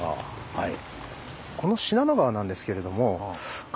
はい。